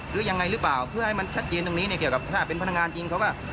หรือยังไงหรือเปล่าเพื่อให้มันชัดเจนตรงนี้เนี่ยเกี่ยวกับถ้าเป็นพนักงานจริงเขาก็